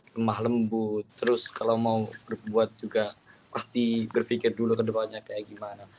lemah lembut terus kalau mau berbuat juga pasti berpikir dulu ke depannya kayak gimana